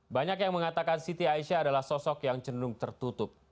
banyak yang mengatakan siti aisyah adalah sosok yang cenderung tertutup